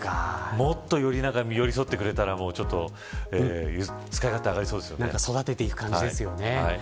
もっと寄り添ってくれたら育てていく感じですね。